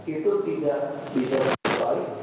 itu tidak bisa diselesaikan